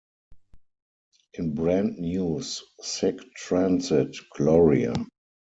In Brand New's Sic Transit Gloria...